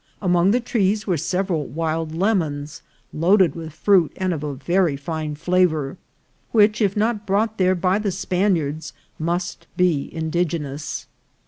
Among the trees were several wild lemons, loaded with fruit, and of very fine flavour, which, if not brought there by the Spaniards, must be indigenous.